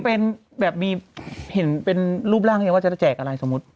เป็นแบบมีเห็นเป็นรูปร่างไงว่าจะแจกอะไรสมมุติ